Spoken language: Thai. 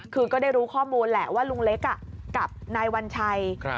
คือก็ได้รู้ข้อมูลแหละว่าลุงเล็กกับนายวัญชัย